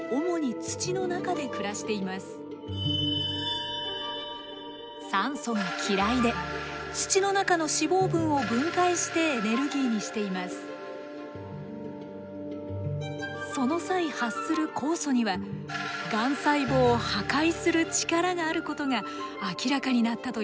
その際発する酵素にはがん細胞を破壊する力があることが明らかになったというのです。